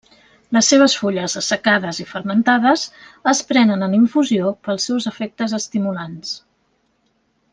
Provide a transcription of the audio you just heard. Les seves fulles assecades i fermentades es prenen en infusió pels seus efectes estimulants.